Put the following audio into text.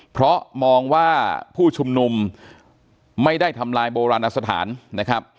เพราะมองว่าผู้ชุมนุมไม่ได้ทำลายโบราณอสถานนะครับ